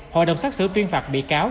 hội đồng xác xử tuyên phạt bị cáo